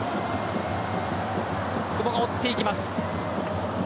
久保が追っていきます。